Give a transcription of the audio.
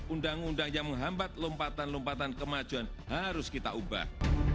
undang undang yang menghambat lompatan lompatan kemajuan harus kita ubah